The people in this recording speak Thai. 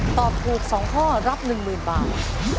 ตอบถูก๒ข้อรับ๑๐๐๐บาท